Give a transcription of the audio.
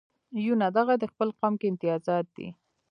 یونه دغه دې خپل قوم کې امتیازات دي.